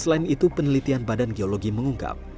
selain itu penelitian badan geologi mengungkap